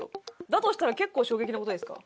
だとしたら結構衝撃な事ですか？